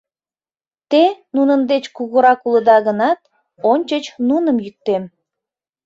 — Те нунын деч кугурак улыда гынат, ончыч нуным йӱктем.